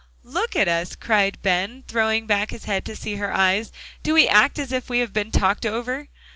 "Look at us," cried Ben, throwing back his head to see her eyes. "Do we act as if we had been talked over?"